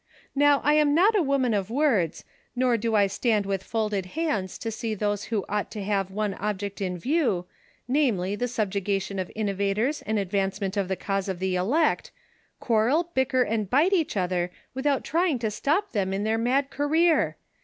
Now, I am not a woman of words, nor do I stand with folded hands to see those who ought to have one object in view, namely, the subju gation of innovators and advancement of the cause of the elect, quarrel, bicker and bite each other, without trying to stop them in their mad career.